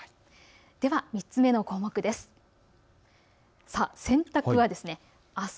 では３つ目の項目です。